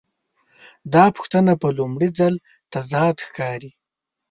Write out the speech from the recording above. دا پوښتنه په لومړي ځل تضاد ښکاري.